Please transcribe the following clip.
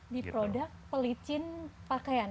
di produk pelicin pakaian